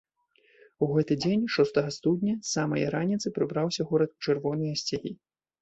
У гэты дзень, б студня, з самае раніцы прыбраўся горад у чырвоныя сцягі.